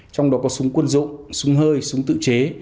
trong đó có súng quân dụng súng hơi súng tự chế